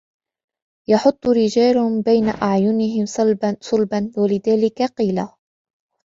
يَحُطُّ رِجَالٌ بَيْنَ أَعْيُنِهِمْ صُلْبَا وَلِذَلِكَ قِيلَ